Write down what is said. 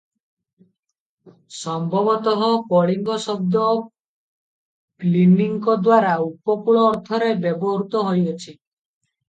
ସମ୍ଭବତଃ କଳିଙ୍ଗ ଶବ୍ଦ ପ୍ଳିନିଙ୍କଦ୍ୱାରା ଉପକୂଳ ଅର୍ଥରେ ବ୍ୟବହୃତ ହୋଇଅଛି ।